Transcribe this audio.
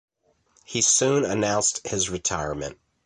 He soon announced his retirement.